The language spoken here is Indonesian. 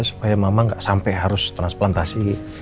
supaya mama nggak sampai harus transplantasi